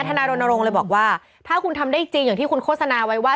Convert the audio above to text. นายรณรงค์เลยบอกว่าถ้าคุณทำได้จริงอย่างที่คุณโฆษณาไว้ว่า